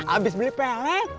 abis beli pelet